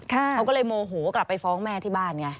เขาก็เลยโมโหกลับไปฟ้องแม่ที่บ้านไง